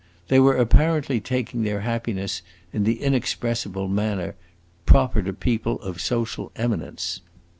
They were apparently taking their happiness in the inexpressive manner proper to people of social eminence.